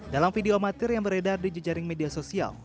dalam video amatir yang beredar di jejaring media sosial